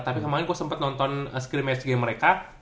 tapi kemaren gue sempet nonton scrim match game mereka